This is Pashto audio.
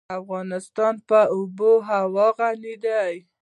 افغانستان په آب وهوا غني دی.